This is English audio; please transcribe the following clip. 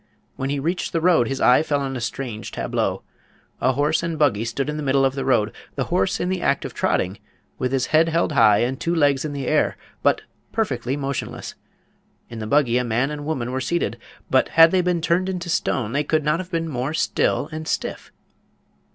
When he reached the road his eye fell on a strange tableau. A horse and buggy stood in the middle of the road, the horse in the act of trotting, with his head held high and two legs in the air, but perfectly motionless. In the buggy a man and a woman were seated; but had they been turned into stone they could not have been more still and stiff.